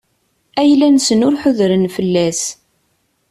Ayla-nsen ur ḥudren fell-as.